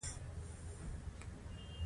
آیا د جامو په جوړولو کې د انجینر کار شته